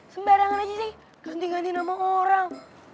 sembarangan aja sih ganti ganti nama orang